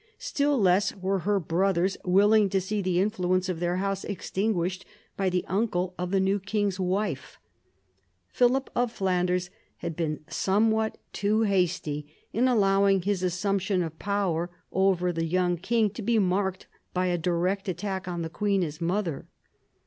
Still less were her brothers willing to see the influence of their house extinguished by the uncle of the new king's wife. Philip of Flanders had been somewhat too hasty in allowing his assumption of power over the young king to be marked by a direct attack on the queen his mother.